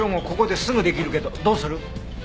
ここですぐできるけどどうする？